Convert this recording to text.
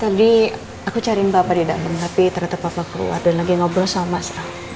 tadi aku cari bapak di dalam tapi ternyata papa keluar dan lagi ngobrol sama